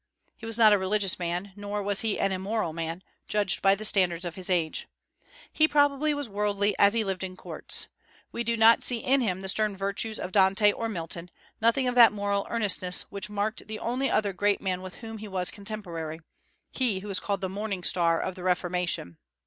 He was not a religious man, nor was he an immoral man, judged by the standard of his age. He probably was worldly, as he lived in courts. We do not see in him the stern virtues of Dante or Milton; nothing of that moral earnestness which marked the only other great man with whom he was contemporary, he who is called the "morning star" of the Reformation.